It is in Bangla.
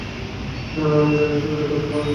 না, আমি জানি, সুবিধে করতে পার নি।